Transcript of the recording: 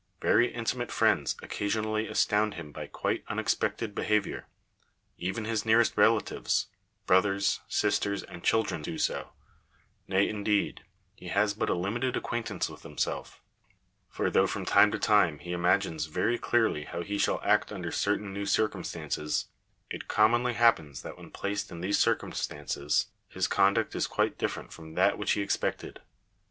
Very intimate friends occasionally astound him by quite unexpected behaviour ; even his nearest relatives — bro thers, sisters, and children do so : nay, indeed, he has but a limited acquaintance with himself; for though from time to time he imagines very clearly how he shall act under certain new circumstances, it commonly happens that when placed in these circumstances his conduct is quite different from that which he expected.